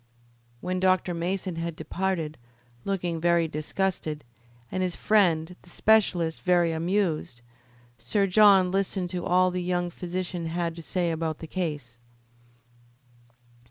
When Dr. Mason had departed, looking very disgusted, and his friend, the specialist, very amused, Sir John listened to all the young physician had to say about the case.